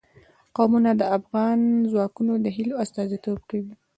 قومونه د افغان ځوانانو د هیلو استازیتوب کوي.